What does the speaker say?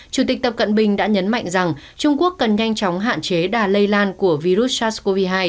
chủ tịch tập cận bình đã nhấn mạnh rằng trung quốc cần nhanh chóng hạn chế đà lây lan của virus sars cov hai